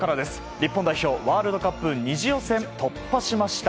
日本代表ワールドカップ２次予選突破しました。